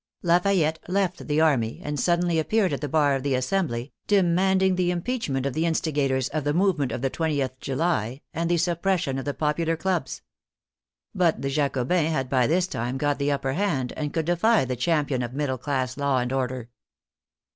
Lafayette left the army, and suddenly appeared at the bar of the Assembly, de manding the impeachment of the instigators of the move ment of the 20th July, an^ the suppression of the popular clubs. But the Jacobins had by this time got the upper hand, and could defy the champion of middle class law and order.